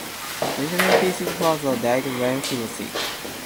Benjamin Pierce's father died when he was six.